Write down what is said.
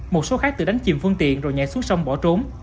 một số khác tự đánh chìm phương tiện rồi nhảy xuống sông bỏ trốn